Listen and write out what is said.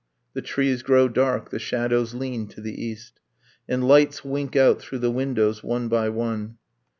The trees grow dark: the shadows lean to the east: And lights wink out through the windows, one by one.